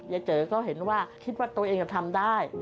เจอก็เห็นว่าคิดว่าตัวเองทำได้